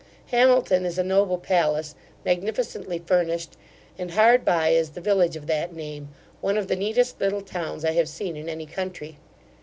Hamilton is a noble palace, magnificently furnished; and hard by is the village of that name, one of the neatest little towns I have seen in any country.